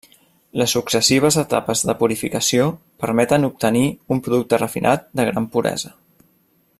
Les successives etapes de purificació permeten obtenir un producte refinat de gran puresa.